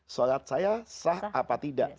sholat saya sah apa tidak